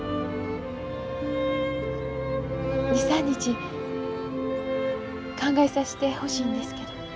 ２３日考えさしてほしいんですけど。